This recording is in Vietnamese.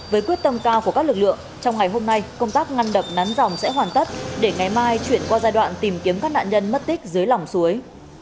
với quyết tâm cao của các lực lượng trong ngày hôm nay công tác ngăn đập nắn dòng sẽ hoàn tất để ngày mai chuyển qua giai đoạn tìm kiếm các nạn nhân mất tích dưới lòng suối